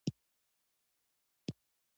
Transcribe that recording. هر ولایت یو والی لري